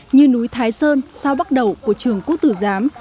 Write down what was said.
như núi thái sơn sau bắt đầu của trường quốc tử giám